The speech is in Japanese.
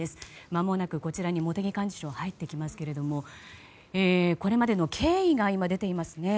まもなく、こちらに茂木幹事長が入ってきますけどもこれまでの経緯が出ていますね。